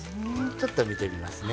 ちょっと見てみますね。